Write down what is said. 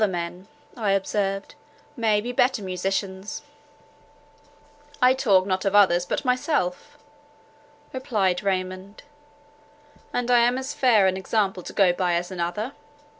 "Other men," I observed, "may be better musicians." "I talk not of others, but myself," replied Raymond, "and I am as fair an example to go by as another.